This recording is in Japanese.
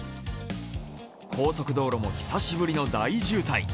高速道路も久しぶりの大渋滞。